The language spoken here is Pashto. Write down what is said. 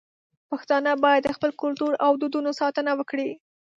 پښتانه بايد د خپل کلتور او دودونو ساتنه وکړي.